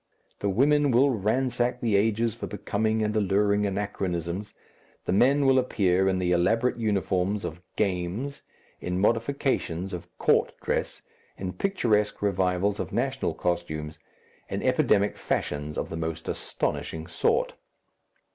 The women will ransack the ages for becoming and alluring anachronisms, the men will appear in the elaborate uniforms of "games," in modifications of "court" dress, in picturesque revivals of national costumes, in epidemic fashions of the most astonishing sort....